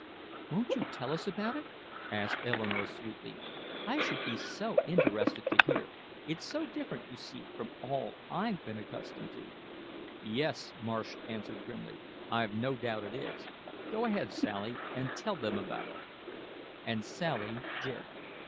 "Won't you tell us about it?" asked Eleanore sweetly. "I should be so interested to hear. It's so different, you see, from all I've been accustomed to." "Yes," Marsh answered grimly, "I've no doubt it is. Go ahead, Sally, and tell them about it." And Sally did.